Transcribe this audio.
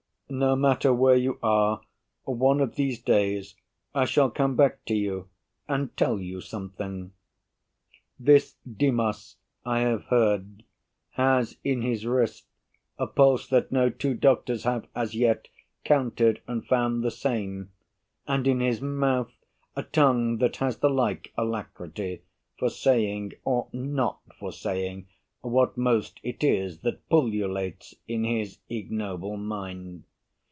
BURR No matter where you are, one of these days I shall come back to you and tell you something. This Demos, I have heard, has in his wrist A pulse that no two doctors have as yet Counted and found the same, and in his mouth A tongue that has the like alacrity For saying or not for saying what most it is That pullulates in his ignoble mind.